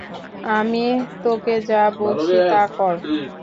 আমি তোকে যা বলেছি তা কর!